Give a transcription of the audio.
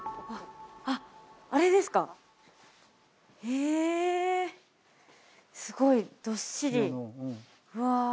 えすごいどっしりうわ